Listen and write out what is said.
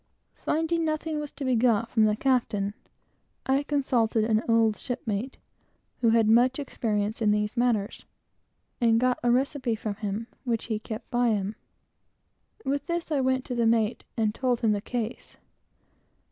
Finding nothing was to be got from the captain, I consulted an old shipmate, who had much experience in these matters, and got from him a recipe, which he always kept by him. With this I went to the mate, and told him the case.